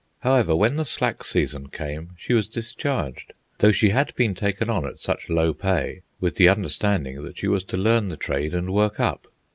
However, when the slack season came she was discharged, though she had been taken on at such low pay with the understanding that she was to learn the trade and work up.